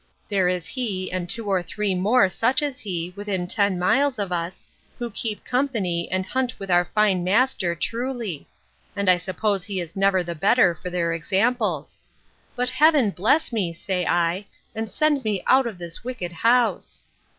There is he, and two or three more such as he, within ten miles of us, who keep company, and hunt with our fine master, truly; and I suppose he is never the better for their examples. But, Heaven bless me, say I, and send me out of this wicked house!